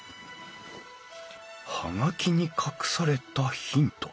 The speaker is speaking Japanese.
葉書に隠されたヒント。